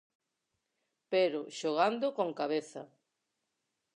Pero xogando con cabeza.